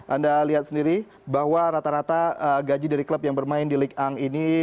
anda lihat sendiri bahwa rata rata gaji dari klub yang bermain di lik ang ini